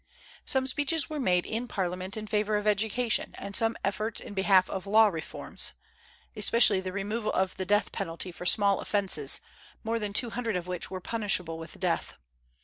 Some speeches were made in Parliament in favor of education, and some efforts in behalf of law reforms, especially the removal of the death penalty for small offences, more than two hundred of which were punishable with death.